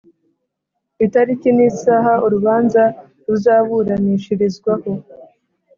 itariki n isaha urubanza ruzaburanishirizwaho